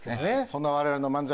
そんな我々の漫才